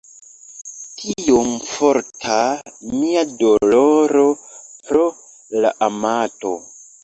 Tiom forta mia doloro pro la amato!